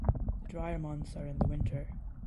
The drier months are in the winter.